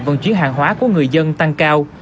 vận chuyển hàng hóa của người dân tăng cao